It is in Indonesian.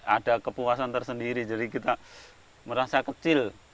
ada kepuasan tersendiri jadi kita merasa kecil